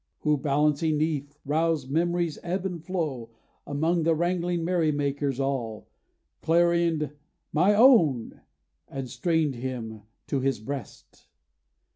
Who, blanching 'neath roused memory's ebb and flow, Among the wrangling merry makers all, Clarioned 'My own!' and strained him to his breast.